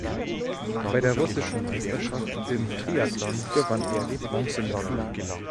Bei der russischen Meisterschaft im Triathlon gewann er die Bronzemedaille.